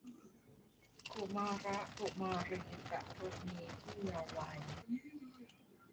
กุมาระกุมารี ตะรุณีที่เยาว์วัย